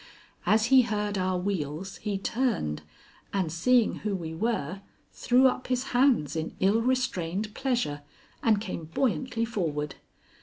As he heard our wheels he turned, and seeing who we were, threw up his hands in ill restrained pleasure, and came buoyantly forward.